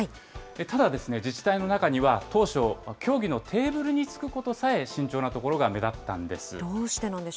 ただ、自治体の中には当初、協議のテーブルにつくことさえ慎重な所が目立ったんです。